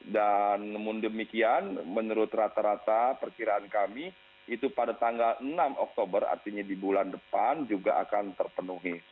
dan namun demikian menurut rata rata perikiran kami itu pada tanggal enam oktober artinya di bulan depan juga akan terpenuhi